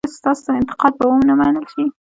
ایا ستاسو انتقاد به و نه منل شي؟